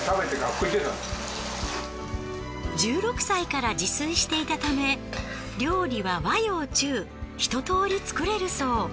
１６歳から自炊していたため料理は和洋中ひと通り作れるそう。